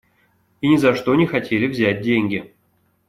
И ни за что не хотели взять деньги.